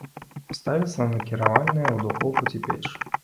Ставіцца на накіравальныя ў духоўку ці печ.